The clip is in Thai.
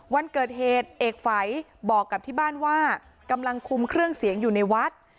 วันเกิดเหตุเอกฝัยบอกกับที่บ้านว่ากำลังคุมเครื่องเสียงอยู่ในวัด